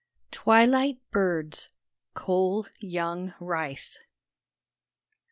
TWILIGHT BIRDS. COLE YOUNG RICE.